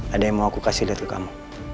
ada yang mau aku kasih lihat ke kamu